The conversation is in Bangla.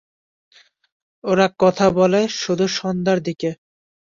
ওরা কথা বলে শুধুসন্ধ্যার দিকে।